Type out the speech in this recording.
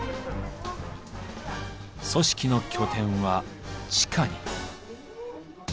組織の拠点は地下に。